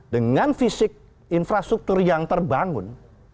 dengan fisik infrastruktur yang terbangun